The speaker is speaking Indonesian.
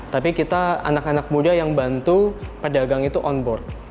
tapi kita anak anak muda yang bantu pedagang itu on board